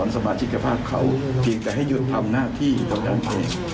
สมาชิกภาพเขาเพียงแต่ให้หยุดทำหน้าที่เท่านั้นเอง